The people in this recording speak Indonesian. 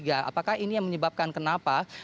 apakah ini yang menyebabkan kenapa